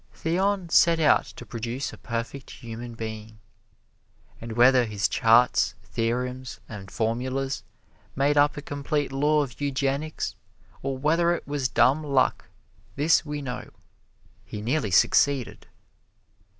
Theon set out to produce a perfect human being; and whether his charts, theorems and formulas made up a complete law of eugenics, or whether it was dumb luck, this we know: he nearly succeeded.